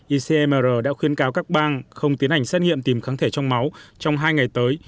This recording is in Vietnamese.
icmr đã khuyên cáo các bang không tiến hành xét nghiệm tìm kháng thể trong máu trong hai ngày tới